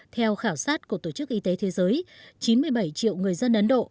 theo khảo sát của tổ chức y tế thế giới chín mươi bảy triệu người dân ấn độ